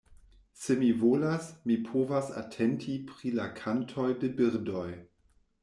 Se mi volas, mi povas atenti pri la kantoj de birdoj.